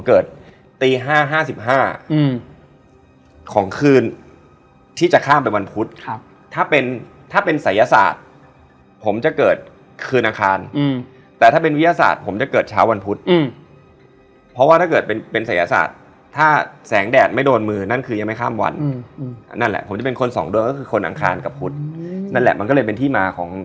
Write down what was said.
กินมากอืมแปลกเดี๋ยวก่อนเนี่ยอืมไปทำบุญก่อน